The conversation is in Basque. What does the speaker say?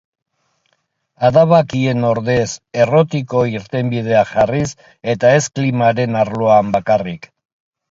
Adabakien ordez errotiko irtenbideak jarriz, eta ez klimaren arloan bakarrik.